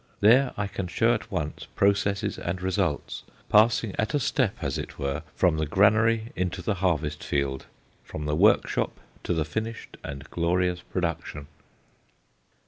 There I can show at once processes and results, passing at a step as it were from the granary into the harvest field, from the workshop to the finished and glorious production.